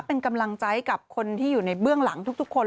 เป็นกำลังใจกับคนที่อยู่ในเบื้องหลังทุกคน